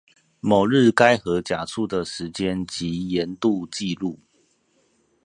某日該河甲處的時間及鹽度記錄